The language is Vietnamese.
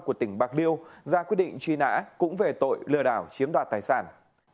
của tỉnh bạc liêu ra quyết định truy nã cũng về tội lừa đảo chiếm đoạt tài sản